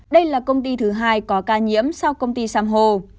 đây là công ty thứ hai có ca nhiễm sau công ty sam hồ